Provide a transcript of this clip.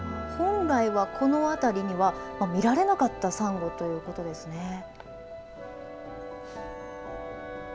本来はこの辺りには見られなかったサンゴということですね。